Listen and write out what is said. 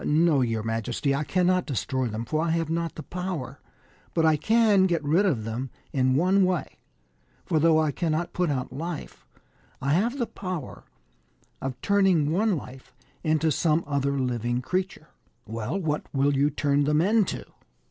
" No, your majesty, I cannot destroy them, for I have not the power ; but I can get rid of them in one way; for though I cannot put out life, I have the power of turning one life into some other living creature." " Well, what will you turn them into